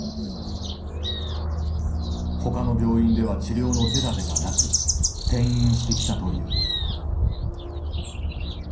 他の病院では治療の手だてがなく転院してきたという。